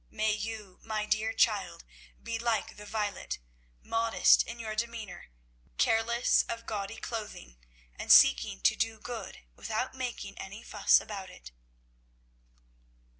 May you, my dear child, be like the violet, modest in your demeanour, careless of gaudy clothing, and seeking to do good without making any fuss about it."